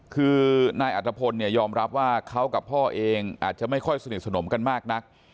คือนายอัตภพลเนี่ยยอมรับว่าเขากับพ่อเองอาจจะไม่ค่อยสนิทสนมกันมากนัก